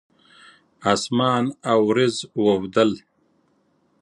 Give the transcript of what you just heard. اسمان اوریځ واوبدل